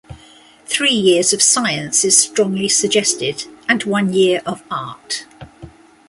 Three years of science is strongly suggested, and one year of art.